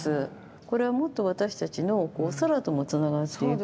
これはもっと私たちの空ともつながっていく。